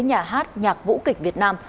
nhà hát nhạc vũ kịch việt nam